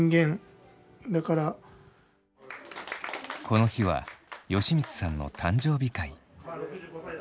この日は美光さんの誕生日会。